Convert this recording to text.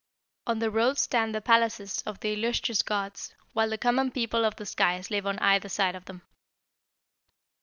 On the road stand the palaces of the illustrious gods, while the common people of the skies live on either side of them.